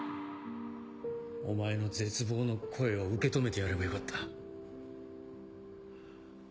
お前の絶望の声を受け止めてやればよかった。